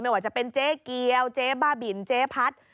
ว่าจะเป็นเจ๊เกียวเจ๊บ้าบินเจ๊พัด